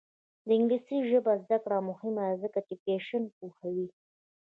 د انګلیسي ژبې زده کړه مهمه ده ځکه چې فیشن پوهوي.